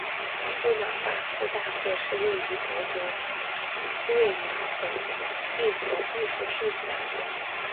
魏玛包豪斯大学是位于德国魏玛的一所艺术设计大学。